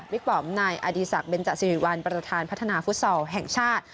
ปอมนายอดีศักดิเบนจสิริวัลประธานพัฒนาฟุตซอลแห่งชาติ